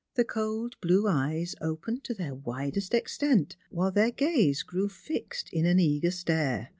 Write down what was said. The cold blue eyes opened to their widest extent, while their gaze grew fixed in an eager stare.